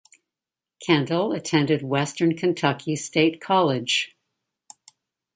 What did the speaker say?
Kendall attended Western Kentucky State College.